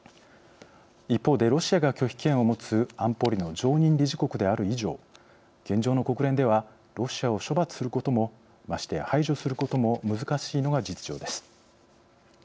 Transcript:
一方でロシアが拒否権を持つ安保理の常任理事国である以上現状の国連ではロシアを処罰することもましてや排除することも難しいのが実情です。